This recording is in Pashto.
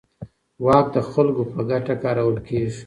واک د خلکو په ګټه کارول کېږي.